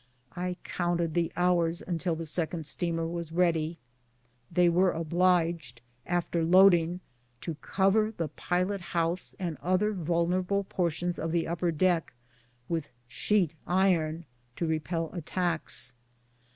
I counted the hours until the second steamer was ready. They were obliged, after loading, to cover the pilot house and other vulnerable portions of the upper deck with sheet iron to repel attacks.